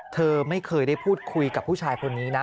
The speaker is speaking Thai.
เธอไม่เคยได้พูดคุยกับผู้ชายคนนี้นะ